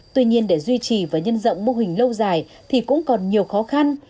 tuy nhiên để duy trì và nhân rộng mô hình lâu dài thì cũng còn nhiều khó khăn